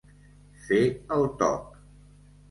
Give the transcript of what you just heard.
Fer el toc.